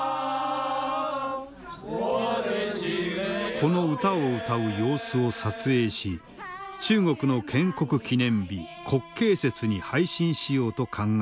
この歌を歌う様子を撮影し中国の建国記念日国慶節に配信しようと考えていた。